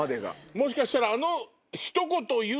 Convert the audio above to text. もしかしたらあの。